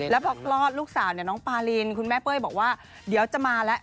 แล้วพอคลอดลูกสาวเนี่ยน้องปารินคุณแม่เป้ยบอกว่าเดี๋ยวจะมาแล้ว